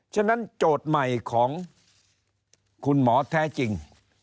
ฉะนั้นโจทย์ใหม่ของคุณหมอแท้จริง